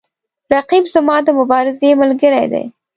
رقیب زما د مبارزې ملګری دی